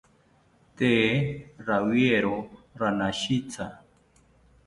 Tee rawiero ranashitya